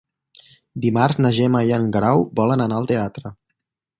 Dimarts na Gemma i en Guerau volen anar al teatre.